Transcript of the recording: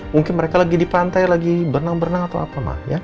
mungkin mereka lagi di pantai lagi berenang berenang atau apa